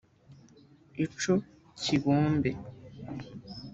Ico kibombe